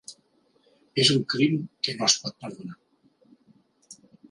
És un crim que no es pot perdonar.